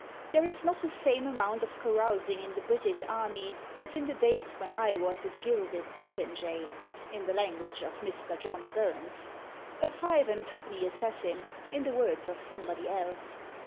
There is not the same amount of carousing in the British army as in the days when I was a "gilded popinjay" (in the language of Mr. John Burns; "a five and twopenny assassin," in the words of somebody else).